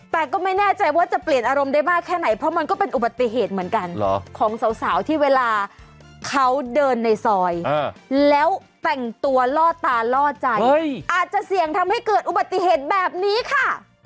แต่ก็ไม่แน่ใจว่าจะเปลี่ยนอารมณ์ได้มากแค่ไหนเพราะมันก็เป็นอุบัติเหตุเหมือนกันของสาวที่เวลาเขาเดินในซอยแล้วแต่งตัวล่อตาล่อใจอาจจะเสี่ยงทำให้เกิดอุบัติเหตุแบบนี้ค่ะ